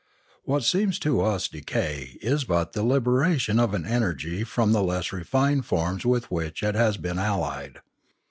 What seems to us decay is but the liberation of an energy from the less refined forms with which it has been allied.